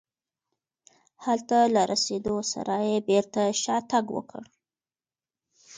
هلته له رسېدو سره یې بېرته شاتګ وکړ.